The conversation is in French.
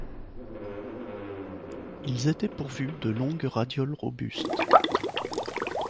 Ils étaient pourvus de longues radioles robustes.